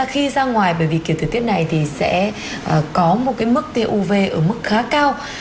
khi ra ngoài bởi vì kiểu thời tiết này thì sẽ có một cái mức t u v ở mức khá cao